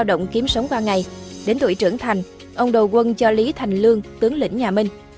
ông kiếm sống qua ngày đến tuổi trưởng thành ông đồ quân cho lý thành lương tướng lĩnh nhà minh